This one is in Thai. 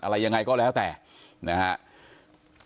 อะไรยังไงก็แล้วแต่นะครับ